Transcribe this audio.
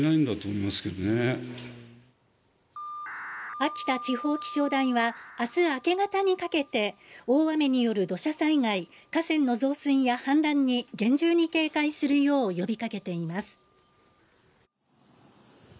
秋田地方気象台は、明日明け方にかけて大雨による土砂災害、河川の増水や氾濫に厳重に警戒するよう呼びかけています。